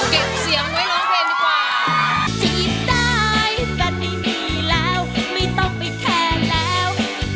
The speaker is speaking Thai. เก็บเสียงไว้ร้องเพลงดีกว่า